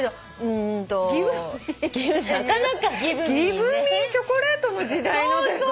「ギブミーチョコレート」の時代のだよね。